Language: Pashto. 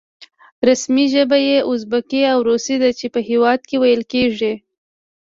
رسمي ژبه یې ازبکي او روسي ده چې په هېواد کې ویل کېږي.